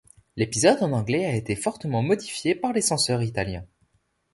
L'épisode en anglais a été fortement modifié par les censeurs italiens.